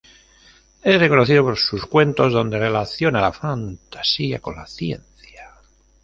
Es reconocido por sus cuentos donde relaciona la fantasía con la ciencia.